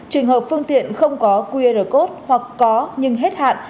trường hợp phương tiện không có qr code hoặc có nhưng hết hạn